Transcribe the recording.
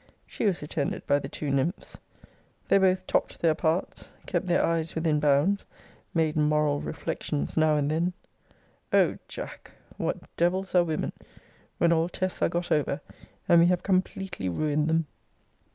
She was attended by the two nymphs. They both topt their parts; kept their eyes within bounds; made moral reflections now and then. O Jack! what devils are women, when all tests are got over, and we have completely ruined them!